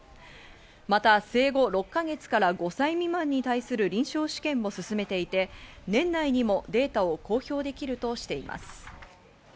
また生後６か月から５歳未満に対する臨床試験も進めていて、年内にもデータを公表できるとしています。